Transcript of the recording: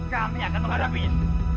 kami akan menghadapinya